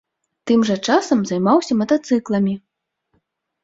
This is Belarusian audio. Тым жа часам займаўся матацыкламі.